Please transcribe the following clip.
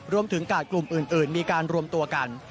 รวมถึงกาดกลุ่มอื่นมีการรวมตัวกัน